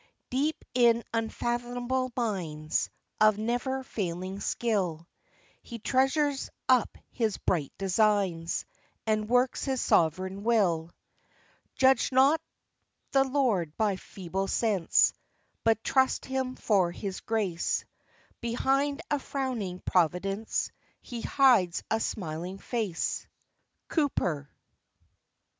"Deep in unfathomable mines Of never failing skill He treasures up His bright designs, And works His sovereign will "Judge not the Lord by feeble sense, But trust Him for His grace; Behind a frowning Providence He hides a smiling face." —COWPER.